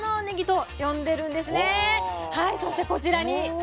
そしてこちらに。